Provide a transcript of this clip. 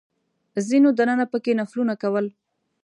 ځینو دننه په کې نفلونه کول.